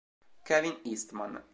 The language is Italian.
Kevin Eastman